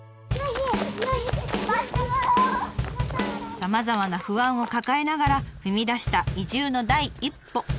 さまざまな不安を抱えながら踏み出した移住の第一歩。